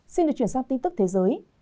xin được chuyển sang tin tức thế giới